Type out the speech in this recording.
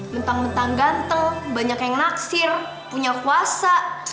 mentang mentang ganteng banyak yang naksir punya puasa